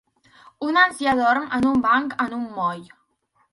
Un ancià dorm en un banc en un moll.